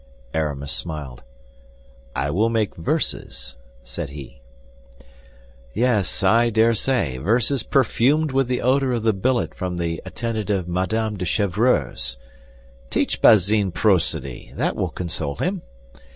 Aramis smiled. "I will make verses," said he. "Yes, I dare say; verses perfumed with the odor of the billet from the attendant of Madame de Chevreuse. Teach Bazin prosody; that will console him.